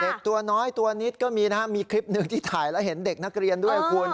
ตัวน้อยตัวนิดก็มีนะครับมีคลิปหนึ่งที่ถ่ายแล้วเห็นเด็กนักเรียนด้วยคุณ